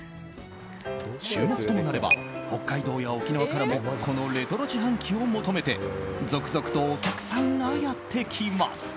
週末ともなれば北海道や沖縄からもこのレトロ自販機を求めて続々とお客さんがやってきます。